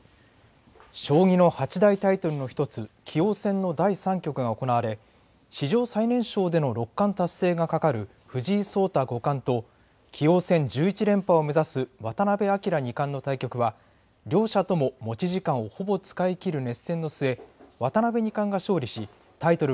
将棋の八大タイトルの１つ棋王戦の第３局が行われ史上最年少での六冠達成がかかる藤井聡太五冠と棋王戦１１連覇を目指す渡辺明二冠の対局は両者共持ち時間をほぼ使いきる熱戦の末渡辺二冠が勝利しタイトル